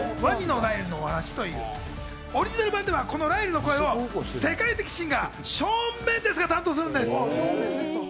『ワニのライルのおはなし』っていうオリジナル版ではこのライルの声を世界的シンガーのショーン・メンデスが担当するんです。